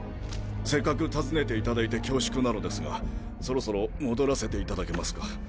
せっかく訪ねていただいて恐縮なのですがそろそろ戻らせていただけますか？